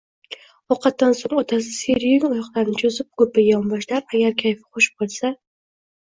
Ovqatdan soʼng otasi seryung oyoqlarini choʼzib, koʼrpaga yonboshlar, agar kayfi xush boʼlsa: